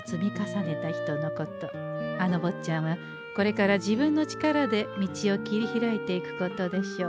あのぼっちゃんはこれから自分の力で道を切り開いていくことでしょう。